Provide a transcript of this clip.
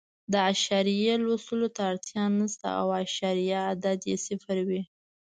د اعشاریې لوستلو ته اړتیا نه شته او اعشاریه عدد یې صفر وي.